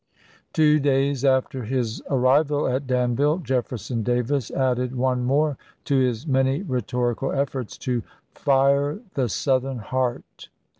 Two days after his arrival at Danville, Jefferson Davis added one more to his many rhetorical efforts to " fire the Southern heart."